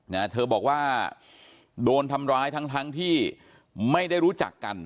นะเธอบอกว่าโดนทำร้ายทั้งทั้งที่ไม่ได้รู้จักกัน